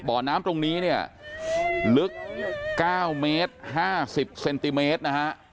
บ่อน้ำตรงนี้เนี่ยลึก๙เมตร๕๐เซนติเมตรนะฮะ